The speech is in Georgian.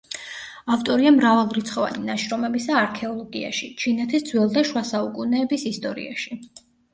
ავტორია მრავალრიცხოვანი ნაშრომებისა არქეოლოგიაში, ჩინეთის ძველ და შუა საუკუნეების ისტორიაში.